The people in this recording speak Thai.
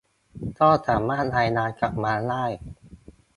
ก็สามารถรายงานกลับมาได้